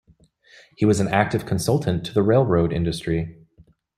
He was an active consultant to the railroad industry.